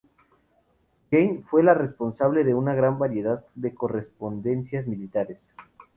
Jane fue la responsable de una gran variedad de correspondencias militares.